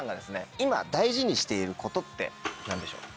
今大事にしていることって何でしょう？